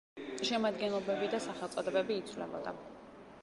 შემადგენლობები და სახელწოდებები იცვლებოდა.